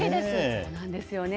そうなんですよね。